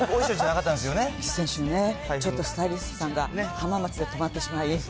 先週ね、ちょっとスタイリストさんが、浜松で止まってしまい。